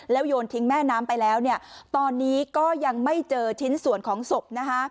โยนทิ้งแม่น้ำไปแล้วเนี่ยตอนนี้ก็ยังไม่เจอชิ้นส่วนของศพนะคะ